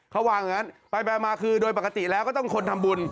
เขาวางอย่างนั้นไปมาคือโดยปกติแล้วก็ต้องคนทำบุญ